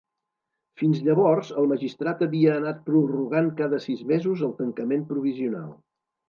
Fins llavors, el magistrat havia anat prorrogant cada sis mesos el tancament provisional.